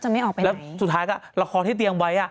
แล้วสุดท้ายก็ละครที่เตียงไว้